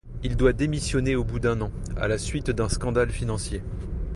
Il doit démissionner au bout d'un an, à la suite d'un scandale financier.